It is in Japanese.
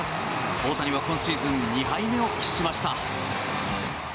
大谷は今シーズン２敗目を喫しました。